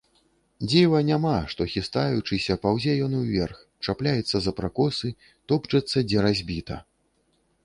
Дзіва няма, што, хістаючыся, паўзе ён уверх, чапляецца за пракосы, топчацца, дзе разбіта.